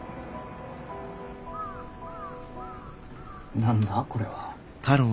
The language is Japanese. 何だこれは。